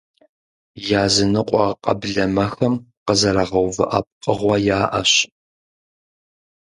Языныкъуэ къэблэмэхэм къызэрагъэувыӀэ пкъыгъуэ яӀэщ.